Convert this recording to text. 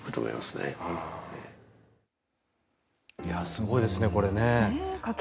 すごいですね、これね。